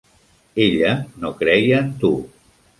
Ella no creia en tu.